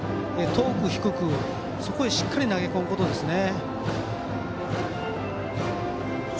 遠く低く、そこへしっかり投げ込むことですね。